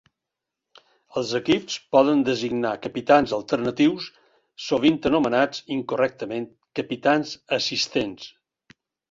Els equips poden designar capitans alternatius, sovint anomenats incorrectament "capitans assistents".